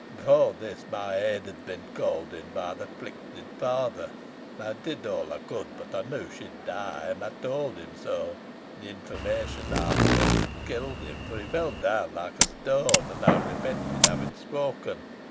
Before this my aid had been called in by the afflicted father and I did all I could but I knew she would die and I told him so. The information I feared had killed him, for he fell down like a stone and I repented having spoken.